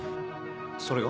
それが？